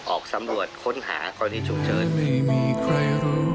ออกสำรวจค้นหาคนที่จุดเจิญ